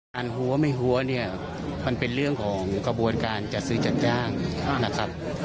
หัวไม่หัวเนี่ยมันเป็นเรื่องของกระบวนการจัดซื้อจัดจ้างนะครับ